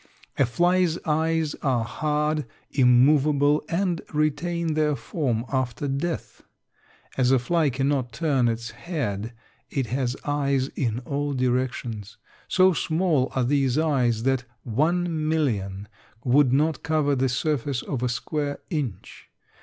A fly's eyes are hard, immovable and retain their form after death. As a fly cannot turn its head it has eyes in all directions. So small are these eyes that 1,000,000 would not cover the surface of a square inch.